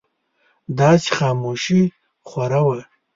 داسې خاموشي خوره وه.